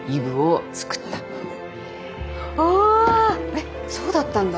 えっそうだったんだ。